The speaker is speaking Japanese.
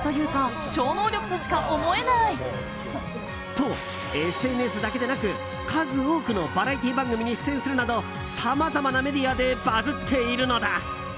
と、ＳＮＳだけでなく数多くのバラエティー番組に出演するなどさまざまなメディアでバズっているのだ！